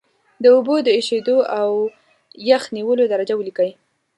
د اوبو د ایشېدو او یخ نیولو درجه ولیکئ.